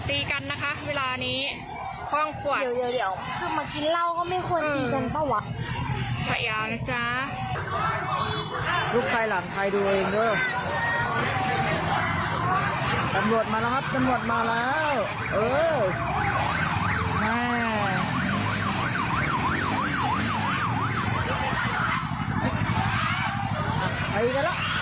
อีกแล้วอีกแล้วต่อมาตรงบท